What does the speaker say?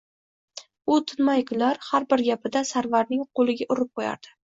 U tinmay kular, har bir gapida Sarvarning qo`liga urib qo`yardi